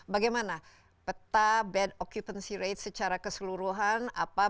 bagaimana peta bad occupancy rate secara keseluruhan